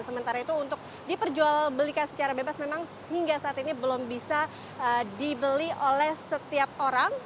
sementara itu untuk diperjual belikan secara bebas memang hingga saat ini belum bisa dibeli oleh setiap orang